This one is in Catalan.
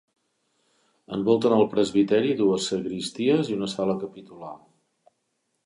Envolten el presbiteri dues sagristies i una sala capitular.